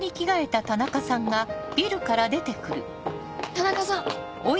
田中さん。